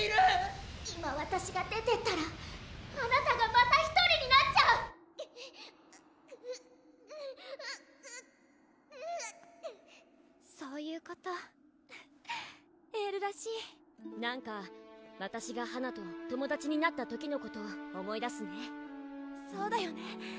・今わたしが出てったらあなたがまた１人になっちゃう「クゥククッ」そういうことフフエールらしいなんかわたしがはなと友達になった時のこと思い出すねそうだよね